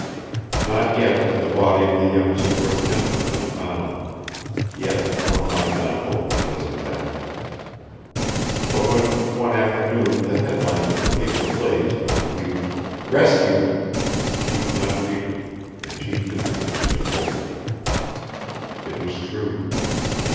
Not yet had the body of the young superintendent been found; yet one might not hope because of that. But when one afternoon the head lines of the papers blazed with a huge "Rescued," she could not read it, and she knew that she had hoped. It was true.